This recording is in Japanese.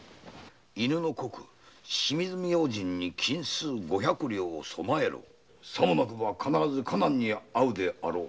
清水明神に金子五百両を供えろさもなくば必ず火難に遭うであろう」